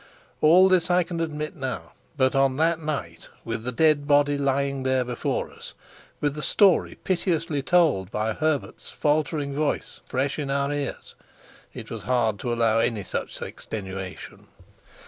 All this I can admit now, but on that night, with the dead body lying there before us, with the story piteously told by Herbert's faltering voice fresh in our ears, it was hard to allow any such extenuation.